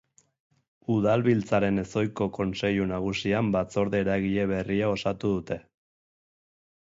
Udalbiltzaren ezohiko Kontseilu Nagusian Batzorde Eragile berria osatu dute.